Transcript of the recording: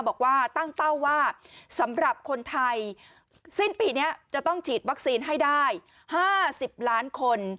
บอกว่าตั้งเป้าว่าสำหรับคนไทยสิ้นปีนี้จะต้องฉีดวัคซีนให้ได้๕๐ล้านคน